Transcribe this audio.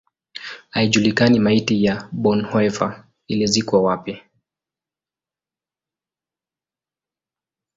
Haijulikani maiti ya Bonhoeffer ilizikwa wapi.